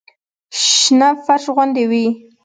شنه فرش غوندې وي.